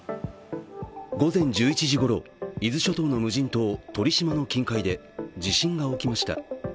午前１１時ごろ、伊豆諸島の無人島鳥島の近海で地震が起きました。